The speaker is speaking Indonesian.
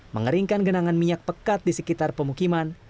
mengeringkan genangan minyak pekat di sekitar pemukiman